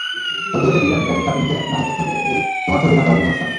শোক দিবসে বিরিয়ানির প্যাকেট ছাপি নিজের নামেপ্রচ্ছদে দেই তোমার ছবি ধান্দাবাজির মনস্কামে।